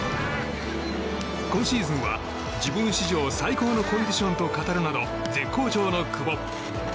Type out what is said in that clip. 今シーズンは自分史上最高のコンディションと語るなど絶好調の久保。